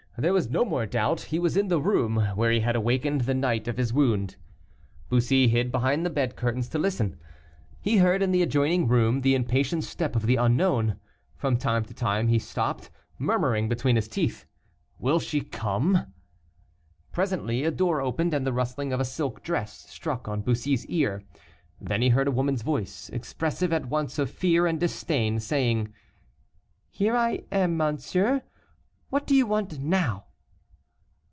There was no more doubt, he was in the room where he had awakened the night of his wound. Bussy hid behind the bed curtains to listen. He heard in the adjoining room the impatient step of the unknown; from time to time he stopped, murmuring between his teeth, "Will she come?" Presently a door opened, and the rustling of a silk dress struck on Bussy's ear. Then he heard a woman's voice, expressive at once of fear and disdain, saying: "Here I am, monsieur, what do you want now?"